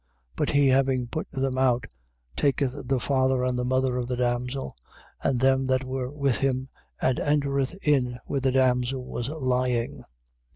But he having put them all out, taketh the father and the mother of the damsel, and them that were with him, and entereth in where the damsel was lying.